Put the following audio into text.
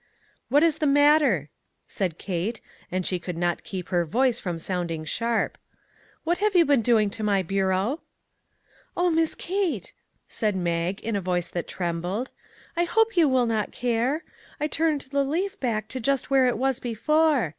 " What is the matter ?" asked Kate, and she could not keep her voice from sounding sharp; " what have you been doing to my bureau? "" Oh, Miss Kate !" said Mag, in a voice that trembled, " I hope you will not care. I turned the leaf back to just where it was before.